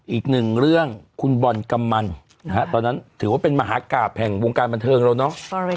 อีกหนึ่งเรื่องคุณบอลกำมันตอนนั้นถือว่าเป็นมหากราบแห่งวงการบันเทิงเราเนอะ